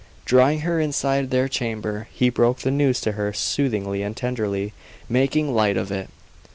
Drawing her inside their chamber, he broke the news to her soothingly and tenderly, making light of it.